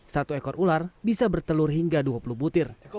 satu ekor ular bisa bertelur hingga dua puluh butir